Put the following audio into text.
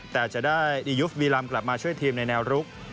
แต่จะได้อียูฟวีลำกลับมาช่วยทีมในแนวรุก